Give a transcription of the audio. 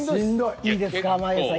いいですか濱家さん。